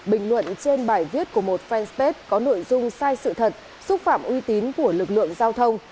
bình luận trên bài viết của một fanpage có nội dung sai sự thật xúc phạm uy tín của lực lượng giao thông